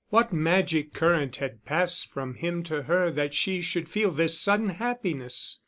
What magic current had passed from him to her that she should feel this sudden happiness?